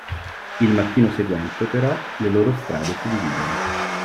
Il mattino seguente, però, le loro strade si dividono.